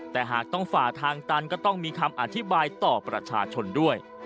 แต่หากต้องฝ่าทางตันก็ต้องมีคำอธิบายต่อประชาชนด้วย